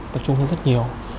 tập trung hơn rất nhiều